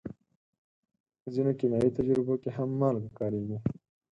په ځینو کیمیاوي تجربو کې هم مالګه کارېږي.